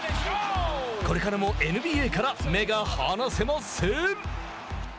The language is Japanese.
これからもＮＢＡから目が離せません。